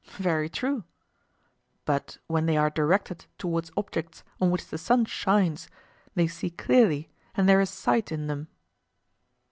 Very true. But when they are directed towards objects on which the sun shines, they see clearly and there is sight in them?